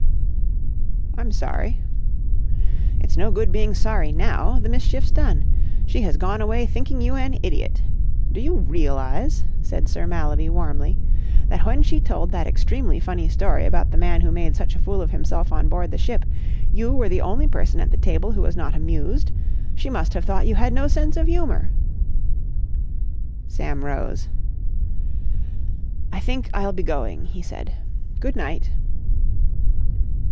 "I'm sorry." "It's no good being sorry now. The mischief's done. She has gone away thinking you an idiot. Do you realise," said Sir Mallaby warmly, "that when she told that extremely funny story about the man who made such a fool of himself on board the ship, you were the only person at the table who was not amused? She must have thought you had no sense of humour!" Sam rose. "I think I'll be going," he said. "Good night!"